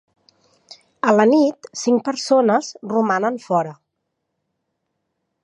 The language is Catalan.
A la nit cinc persones romanen fora.